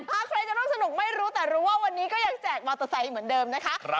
ใครจะร่วมสนุกไม่รู้แต่รู้ว่าวันนี้ก็ยังแจกมอเตอร์ไซค์เหมือนเดิมนะคะ